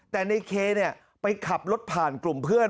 แต่ในเคไปขับรถผ่านกลุ่มเพื่อน